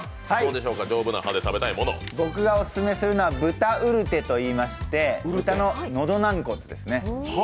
僕がおすすめするのは豚ウルテといいまして豚の喉軟骨ですね。